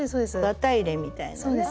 綿入れみたいなね。